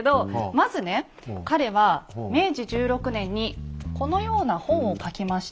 まずね彼は明治１６年にこのような本を書きました。